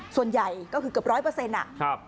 ส่วนใหญ่ก็คือเกือบ๑๐๐